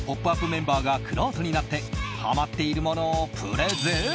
メンバーがくろうとになってハマっているものをプレゼン。